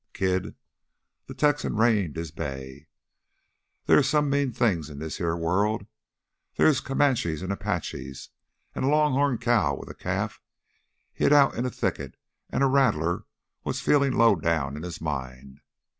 "Kid " the Texan reined his bay "there is some mean things in this heah world. Theah is Comanches an' Apaches, an' a longhorn cow with a calf hid out in a thicket, an' a rattler, what's feelin' lowdown in his mind.